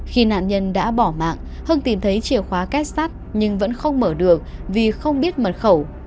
khi nạn nhân đã bỏ mạng hưng tìm thấy chìa khóa kết sắt nhưng vẫn không mở được vì không biết mật khẩu